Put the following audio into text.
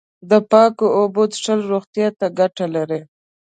د پاکو اوبو څښل روغتیا ته گټه لري.